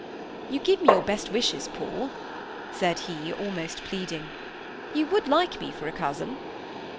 "You give me your best wishes, Paul," said he, almost pleading. "You would like me for a cousin?"